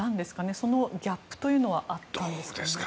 そのギャップというのはあったんですか？